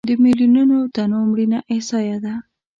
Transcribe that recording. د میلیونونو تنو مړینه احصایه ده.